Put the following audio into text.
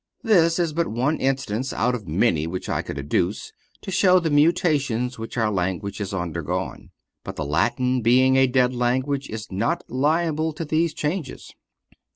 This is but one instance, out of many which I might adduce, to show the mutations which our language has undergone. But the Latin, being a dead language, is not liable to these changes.